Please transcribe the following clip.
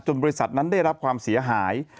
บริษัทนั้นได้รับความเสียหาย